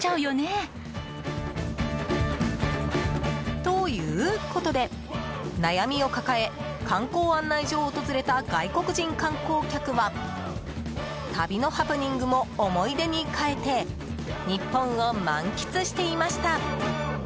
ということで、悩みを抱え観光案内所を訪れた外国人観光客は旅のハプニングも思い出に変えて日本を満喫していました。